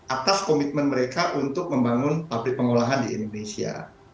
atas komitmen mereka untuk membangun pabrik pengolahan di indonesia